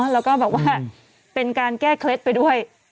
แล้วก็บอกว่าเป็นการแก้เคล็ดไปด้วย